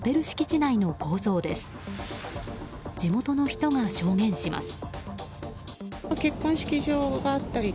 地元の人が証言します。